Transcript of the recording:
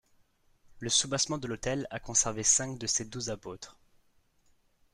Le soubassement de l’autel a conservé cinq de ses douze apôtres.